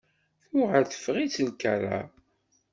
Tuɣal teffeɣ-itt lkerra.